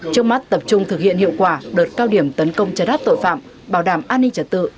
trước mắt tập trung thực hiện hiệu quả đợt cao điểm tấn công chấn áp tội phạm bảo đảm an ninh trật tự